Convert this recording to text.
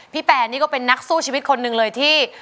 แปนนี่ก็เป็นนักสู้ชีวิตคนหนึ่งเลยที่